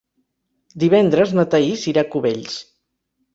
Divendres na Thaís irà a Cubells.